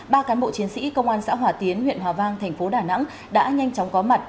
ba cán bộ chiến sĩ công an xã hòa tiến huyện hòa vang thành phố đà nẵng đã nhanh chóng có mặt